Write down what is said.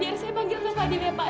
biar saya panggil kak fadil ya pak